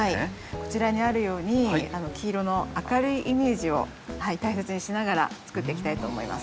こちらにあるように黄色の明るいイメージを大切にしながら作っていきたいと思います。